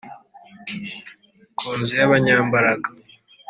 ku Nzu y Abanyambaraga